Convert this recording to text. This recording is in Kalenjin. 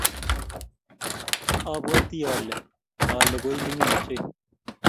abwatii ale alee koimining ochei.